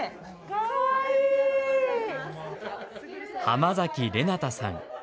浜崎レナタさん。